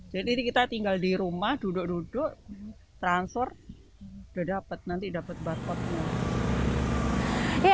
jadi kita tinggal di rumah duduk duduk transfer sudah dapat nanti dapat barcode nya